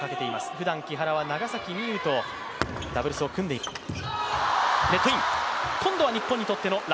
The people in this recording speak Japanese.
ふだん、木原は長崎美柚とダブルスを組んでいます。